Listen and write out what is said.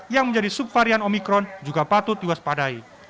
yang menjadi subvarian omikron juga patut diwaspadai